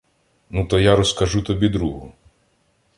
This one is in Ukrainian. — Ну то я розкажу тобі другу.